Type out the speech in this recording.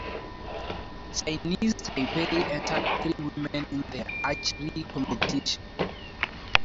Chinese Taipei entered three women in the archery competition.